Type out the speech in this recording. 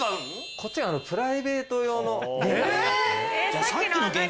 こっちがプライベート用の。